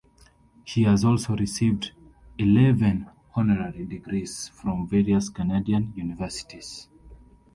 She has also received eleven honorary degrees from various Canadian universities.